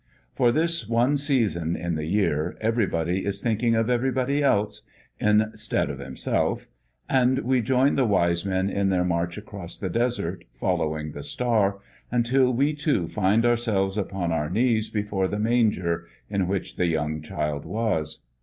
For this one season in the year, everybody is thinking of everybody else, instead of himself, and we join the wise men in their march across the desert, following the Star, until we, too, find ourselves upon our knees before the manger in which the young Child was.